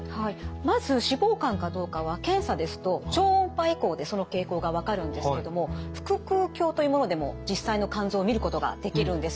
まず脂肪肝かどうかは検査ですと超音波エコーでその傾向が分かるんですけども腹腔鏡というものでも実際の肝臓を見ることができるんです。